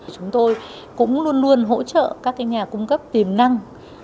chúng tôi cũng luôn luôn hỗ trợ các nhà cung cấp tiềm năng